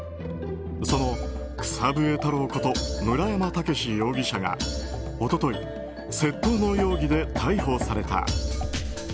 その草笛太郎こと村山猛容疑者が一昨日、窃盗の容疑で逮捕された。